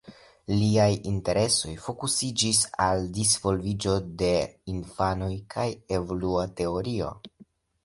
Liaj interesoj fokusiĝis al disvolviĝo de infanoj kaj evolua teorio.